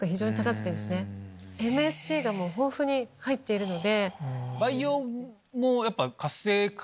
ＭＳＣが豊富に入っているので。